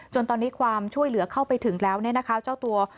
จนตอนนี้ความช่วยเหลือเข้าไปถึงแล้วเนี่ยนะคะเจ้าตัว